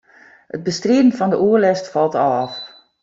It bestriden fan de oerlêst falt ôf.